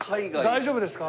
大丈夫ですか？